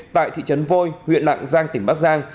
tại thị trấn vôi huyện lạng giang tỉnh bắc giang